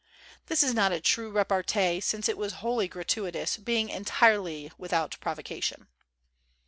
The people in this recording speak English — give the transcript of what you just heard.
This is not a true repartee, since it was wholly gratuitous, being entirely without provocation.